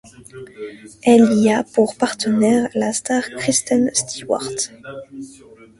Elle y a pour partenaire la star Kristen Stewart.